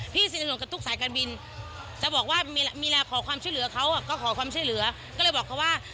พอตามหาเบอร์น้องเจ้าก็ถามแล้วว่า